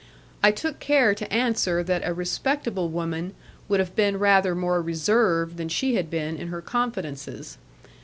I took care to answer that a respectable woman would have been rather more reserved than she had been in her confidences.